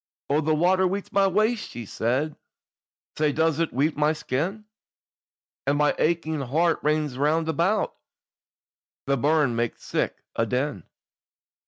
"Oh, the water weets my waist," she said, "Sae does it weet my skin, And my aching heart rins round about, The burn maks sic a din.